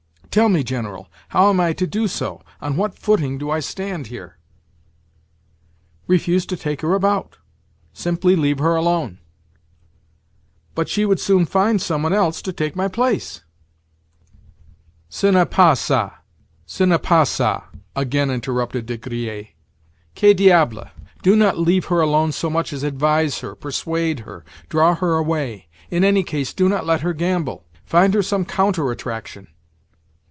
"Tell me, General, how am I to do so? On what footing do I stand here?" "Refuse to take her about. Simply leave her alone." "But she would soon find some one else to take my place?" "Ce n'est pas ça, ce n'est pas ça," again interrupted De Griers. "Que diable! Do not leave her alone so much as advise her, persuade her, draw her away. In any case do not let her gamble; find her some counter attraction."